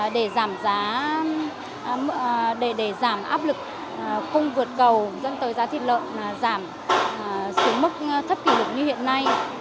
để giảm giá để giảm áp lực cung vượt cầu dẫn tới giá thịt lợn giảm xuống mức thấp kỷ lục như hiện nay